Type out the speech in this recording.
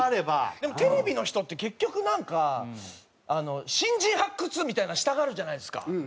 でもテレビの人って結局なんか新人発掘みたいなのしたがるじゃないですか。